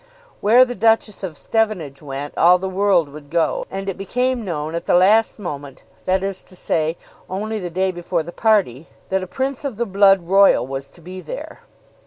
Where the Duchess of Stevenage went all the world would go. And it became known at the last moment, that is to say only the day before the party, that a prince of the blood royal was to be there.